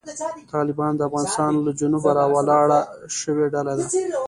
طالبان د افغانستان له جنوبه راولاړه شوې ډله ده.